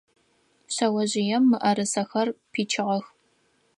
Шъэожъыем мыӏэрысэхэр пичыгъэх.